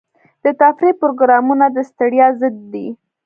د تفریح پروګرامونه د ستړیا ضد دي.